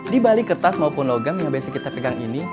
di balik kertas maupun logam yang biasa kita pegang ini